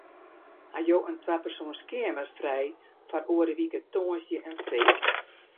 Ha jo in twapersoans keamer frij foar oare wike tongersdei en freed?